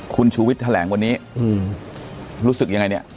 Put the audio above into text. คุณชูวิทย์แถลงวันนี้รู้สึกยังไงเนี่ย